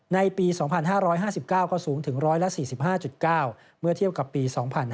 ในปี๒๕๕๙ก็สูงถึง๑๔๕๙เมื่อเทียบกับปี๒๕๕๙